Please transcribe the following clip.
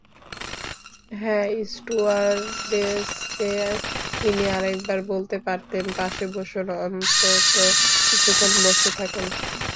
হ্যাঁ, স্টুয়ার্ডেসকে তিনি আরেকবার বলতে পারতেন পাশে বসুন, অন্তত কিছুক্ষণ বসে থাকুন।